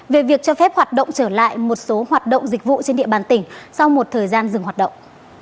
về việc cho phép hoạt động trở lại một số hoạt động dịch vụ trên địa bàn tỉnh sau một thời gian dừng hoạt động